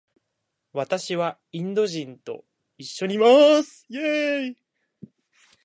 私はインド人と一緒にいます。